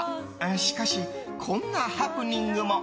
しかし、こんなハプニングも。